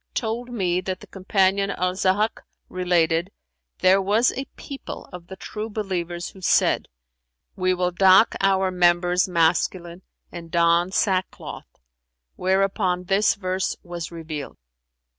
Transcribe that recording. told me that the Companion Al Zahhαk related: 'There was a people of the True believers who said, 'We will dock our members masculine and don sackcloth;' whereupon this verse was revealed.